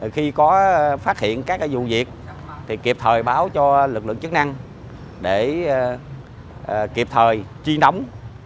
khi có phát hiện các vụ việc thì kịp thời báo cho lực lượng chức năng để kịp thời tri nóng